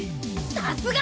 さすが！